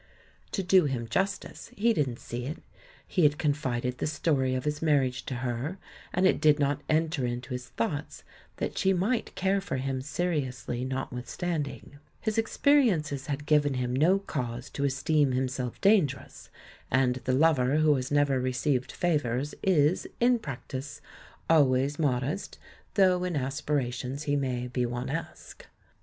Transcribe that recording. To do him justice, he didn't see it — he had confided the story of his marriage to her, and it did not enter into his THE ^lAN WHO UNDERSTOOD WOMEN T thoughts that she might care for him seriously notwithstanding; his experiences had given him no cause to esteem himself dangerous, and the lover who has never received favours is, in prac tice, always modest, though in aspirations he may be Juanesque.